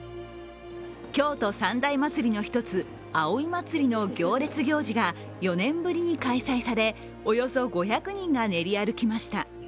京都三大祭りの一つ、葵祭の行列行事が４年ぶりに開催され、およそ５００人が練り歩きました。